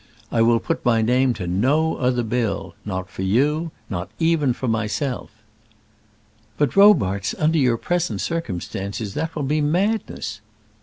I will put my name to no other bill; not for you, not even for myself." "But, Robarts, under your present circumstances that will be madness."